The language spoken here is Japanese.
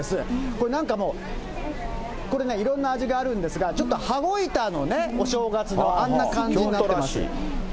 これ、なんかもう、これね、いろんな味があるんですが、ちょっと羽子板のね、お正月の、あんな感じになってます。